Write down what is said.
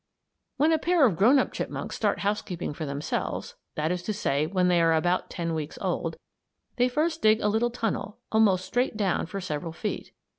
When a pair of grown up chipmunks start housekeeping for themselves that is to say when they are about ten weeks old they first dig a little tunnel, almost straight down for several feet.